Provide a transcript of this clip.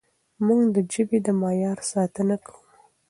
موږ د ژبې د معیار ساتنه کوو.